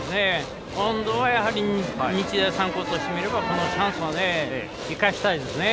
今度は日大三高とすればこのチャンスは生かしたいですね。